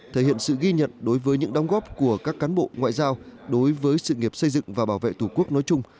thể hiện sự ghi nhận đối với những đóng góp của các cán bộ ngoại giao đối với sự nghiệp xây dựng và bảo vệ tổ quốc nói chung